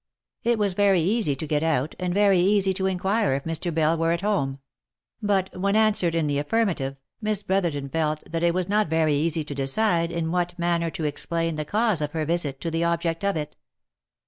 It was very easy to get out, and very easy to inquire if Mr. Bell were at home ; but when answered in the affirmative, Miss Brotherton felt that it was not very easy to decide in what manner to explain the cause of her visit to the object of it.